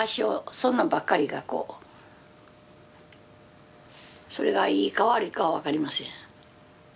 そんなんばっかりがこうそれがいいか悪いかは分かりません。